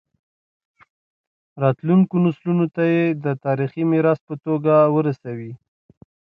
راتلونکو نسلونو ته یې د تاریخي میراث په توګه ورسوي.